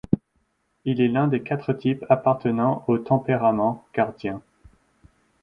Il est l'un des quatre types appartenant au tempérament Gardien.